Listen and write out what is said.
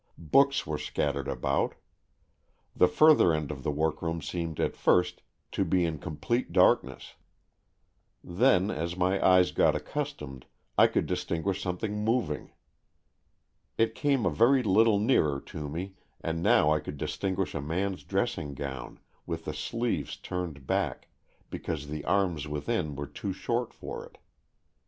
Books were scattered about. The further end of the workroom seemed at first to be in com plete darkness. Then, as my eyes got accustomed, I could distinguish something moving. It came a very little nearer to me, and now I could distinguish a man's dressing gown, with the sleeves turned back, because the arms within were too short for it.